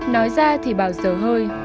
nói ra thì bảo giờ hơi